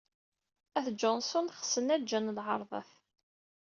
At Johnson xsen aǧa n lɛerḍat.